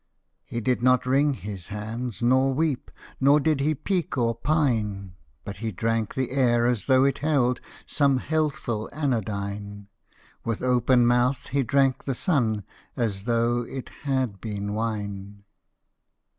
He did not wring his hands nor weep, Nor did he peek or pine, But he drank the air as though it held Some healthful anodyne; With open mouth he drank the sun As though it had been wine!